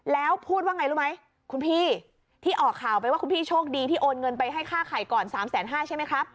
แล้วพูดว่าไงรู้ไหมคุณพี่ที่ออกข่าวไปว่าคุณพี่โชคดีที่โอนเงินไปให้ค่าไข่ก่อน๓๕๐๐ใช่ไหมครับ